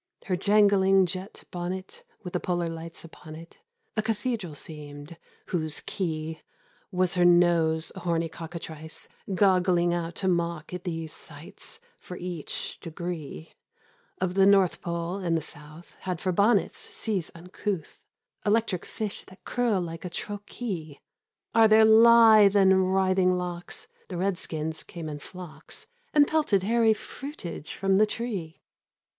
Her jangling jet bonnet (With the polar lights upon it) A cathedral seemed, whose key Was her nose, a horny cockatrice Goggling out to mock at these Sights; for each degree Of the North Pole and the South Had for bonnets, seas uncouth — Electric fish that curl like a trochee Are their lithe and writhing locks. The redskins came in flocks And pelted hairy fruitage from the tree.